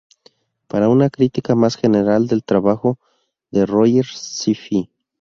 Para una crítica más general del trabajo de Rogers Cf.